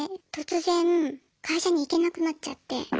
突然会社に行けなくなっちゃって。